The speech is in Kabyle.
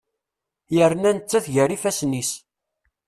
Yerna nettat gar ifasen-is.